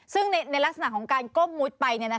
ซึ่งในลักษณะของการก้มมุดไป